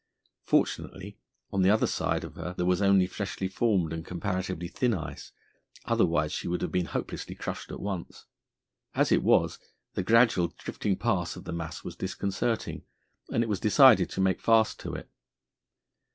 Fortunately on the other side of her there was only freshly formed and comparatively thin ice, otherwise she would have been hopelessly crushed at once. As it was, the gradual drifting past of the mass was disconcerting, and it was decided to make fast to it.